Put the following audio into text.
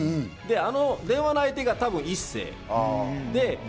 あの電話の相手が多分、一星。